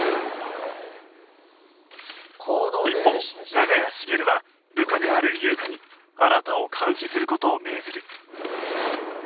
一方長屋茂は部下である優香に新を監視する事を命ずる